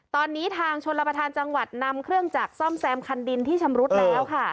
ตอนนี้ทางชนรับประทานจังหวัดนำเครื่องจักรซ่อมแซมคันดินที่ชำรุดแล้วค่ะ